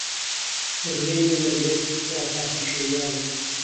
سهروێن و مهروێن، توخوا، پاکی شێویاگه